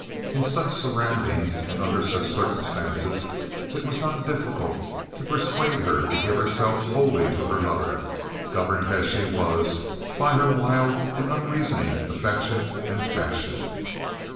In such surroundings, and under such circumstances, it was not difficult to persuade her to give herself wholly to her lover, governed as she was by her wild and unreasoning affection and passion.